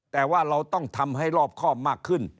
แต่ว่าเราต้องทำให้รอบครอบมากขึ้น